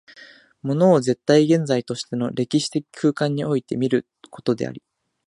物を絶対現在としての歴史的空間において見ることであり、